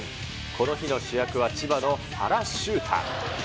この日の主役は、千葉の原修太。